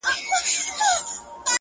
او ته خبر د کوم غریب د کور له حاله یې ـ